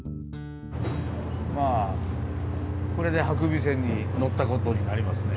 まあこれで伯備線に乗ったことになりますね。